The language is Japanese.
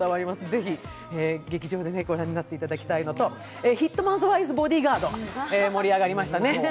ぜひ劇場でご覧になっていただきたいのと、「ヒットマンズ・ワイズ・ボディガード」、盛り上がりましたね。